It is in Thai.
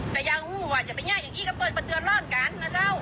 แต่ยังหูว่าจะไปแยกอย่างนี้ก็เปิดประเตือนร่อนกันนะเจ้า